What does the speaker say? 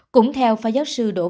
cũng theo phá giáo sư đỗ văn dũng